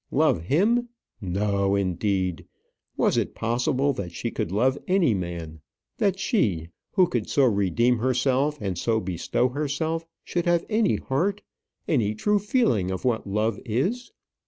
Love him! no, indeed. Was it possible that she should love any man? that she, who could so redeem herself and so bestow herself, should have any heart, any true feeling of what love is?